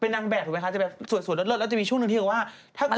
เป็นนางแบบถูกไหมคะจะแบบสวยแล้วจะมีช่วงหนึ่งที่จะบอกว่า